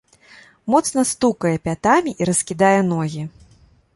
Моцна стукае пятамі і раскідае ногі.